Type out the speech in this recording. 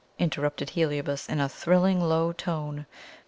interrupted Heliobas, in a thrilling low tone.